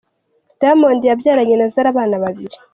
Diamond yabyaranye na Zari abana babiri.